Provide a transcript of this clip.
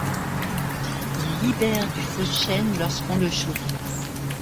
Il libère du phosgène lorsqu'on le chauffe.